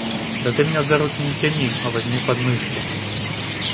Да ты меня за руки не тяни, а возьми под мышки.